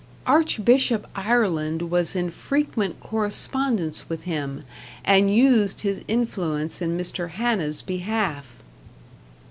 "Archbishop Ireland was in frequent correspondence with him, and used his influence in Mr. Hanna's behalf."